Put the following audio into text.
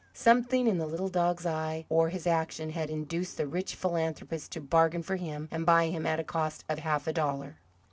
Something in the little dog's eye, or his action, had induced the rich philanthropist to bargain for him and buy him at a cost of half a dollar.